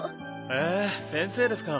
へえ先生ですか。